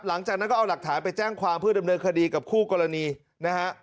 หลังจากนั้นก็เอาหลักฐานไปแจ้งความเพื่อดำเนินคดีกับคู่กรณีนะฮะ